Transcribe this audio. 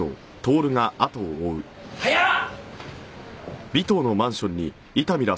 早っ！